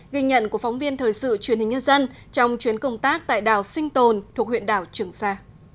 ghi nhận của phóng viên thời sự truyền hình nhân dân trong chuyến công tác tại đảo sinh tồn thuộc huyện đảo trường sa